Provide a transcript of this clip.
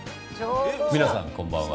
皆さんこんばんは。